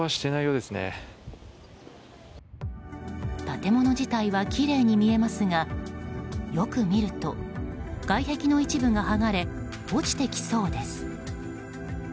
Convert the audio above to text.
建物自体はきれいに見えますがよく見ると、外壁の一部が剥がれ落ちてきそうです。